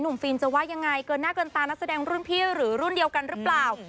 ฟิล์มจะว่ายังไงเกินหน้าเกินตานักแสดงรุ่นพี่หรือรุ่นเดียวกันหรือเปล่า